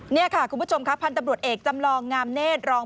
นี่ค่ะคุณผู้ชมค่ะพันธุ์ตำรวจเอกจำลองงามเนธรอง